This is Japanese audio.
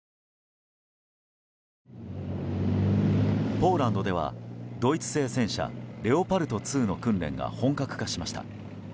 ポーランドではドイツ製戦車レオパルト２の訓練が本格化しました。